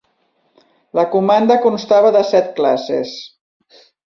La comanda constava de set classes.